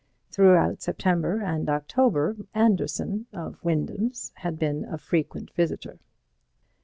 Throughout September and October, Anderson (of Wyndham's) had been a frequent visitor.